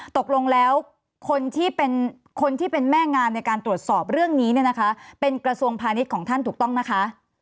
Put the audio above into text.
ตกลงแล้วคนที่เป็นคนที่เป็นแม่งานในการตรวจสอบเรื่องนี้เนี่ยนะคะเป็นกระทรวงพาณิชย์ของท่านถูกต้องนะคะ